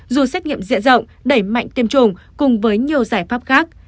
dù xét nghiệm diện rộng đẩy mạnh tiêm chủng cùng với nhiều giải pháp khác